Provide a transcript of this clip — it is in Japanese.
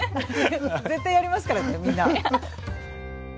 絶対やりますからねみんな。